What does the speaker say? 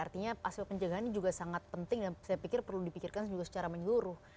artinya aspek pencegahan ini juga sangat penting dan saya pikir perlu dipikirkan juga secara menyeluruh